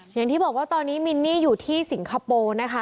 อย่างที่บอกว่าตอนนี้มินนี่อยู่ที่สิงคโปร์นะคะ